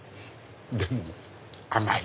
でも甘い。